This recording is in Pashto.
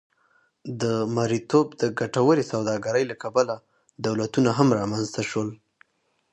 د مریتوب د ګټورې سوداګرۍ له کبله دولتونه هم رامنځته شول.